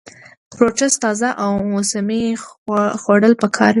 فروټس تازه او موسمي خوړل پکار وي -